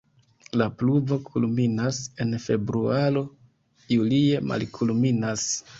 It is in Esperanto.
La pluvo kulminas en februaro, julie malkulminas.